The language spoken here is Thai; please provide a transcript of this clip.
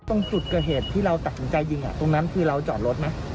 ตรงจุดเกิดเหตุที่เราตัดสินใจยิงตรงนั้นคือเราจอดรถไหม